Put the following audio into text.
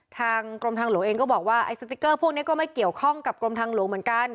ทางกรมทางหลวงเองก็บอกว่าไอ้สติ๊กเกอร์พวกนี้ก็ไม่เกี่ยวข้องกับกรมทางหลวงเหมือนกัน